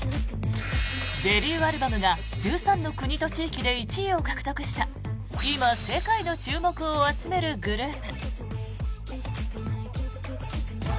デビューアルバムが１３の国と地域で１位を獲得した今、世界の注目を集めるグループ。